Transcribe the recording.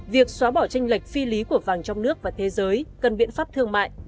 việc xóa bỏ tranh lệch phi lý của vàng trong nước và thế giới cần biện pháp thương mại